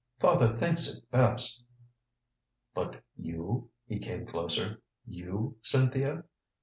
"Father thinks it best " "But you?" He came closer. "You, Cynthia?"